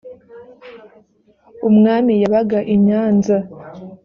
umwami yabaga i nyanza